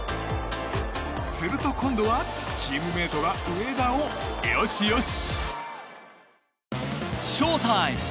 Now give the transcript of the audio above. すると今度はチームメートが上田をよしよし。